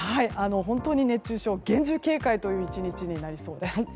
本当に熱中症に厳重警戒という１日になりそうです。